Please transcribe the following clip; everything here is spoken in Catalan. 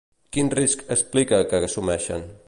Quin risc explica que assumeixen?